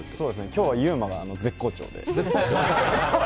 今日は、ゆうまが絶好調で。